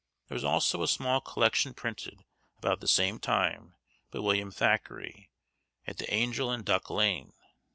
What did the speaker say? There is also a small collection printed, about the same time, by William Thackery, at the Angel, in Duck Lane.